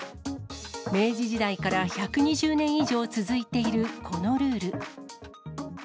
明治時代から１２０年以上続いているこのルール。